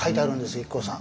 ＩＫＫＯさん。